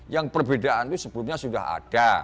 yang perbedaan itu sebetulnya sudah ada